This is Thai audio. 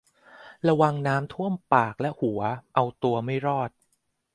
ระวังน้ำท่วม ปากและหัว เอาตัวไม่รอด